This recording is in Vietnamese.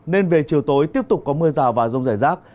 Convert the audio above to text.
nên về chiều tối tiếp tục có mưa rào và rông rải rác